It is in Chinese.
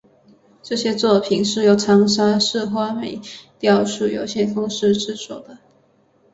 这些作品是由长沙市华美雕塑有限公司制作的。